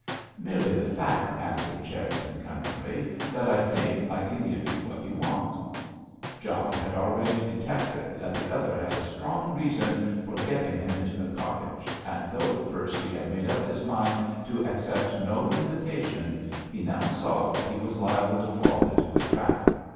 "Merely the fact," answered Cherriton, cunningly, "that I think I can give you what you want." John had already detected that the other had a strong reason for getting him into the cottage, and, though at first he had made up his mind to accept no invitation, he now saw that he was liable to fall into a trap.